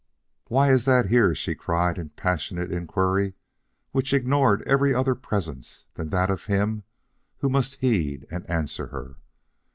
"Why is that here?" she cried in a passionate inquiry which ignored every other presence than that of him who must heed and answer her.